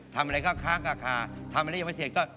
ทำอะไรค้างทำแบบแยงวัศีรกัน